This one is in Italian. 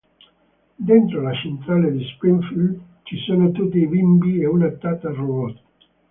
Dentro la centrale di Springfield ci sono tutti i bimbi e una tata-robot.